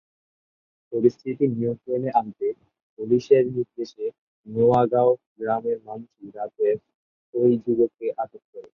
পরিস্থিতি নিয়ন্ত্রণে আনতে পুলিশের নির্দেশে নোয়াগাঁও গ্রামের মানুষই রাতেই ওই যুবককে আটক করে।